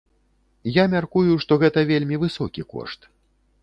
Я мяркую, што гэта вельмі высокі кошт.